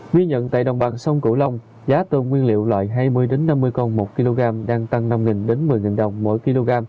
ghi nhận tại đồng bằng sông cửu long giá tôm nguyên liệu loại hai mươi năm mươi con một kg đang tăng năm một mươi đồng mỗi kg